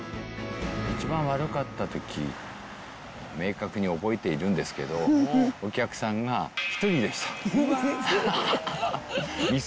一番悪かったとき、明確に覚えているんですけど、お客さんが１人でした。